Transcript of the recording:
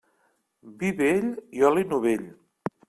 Vi vell i oli novell.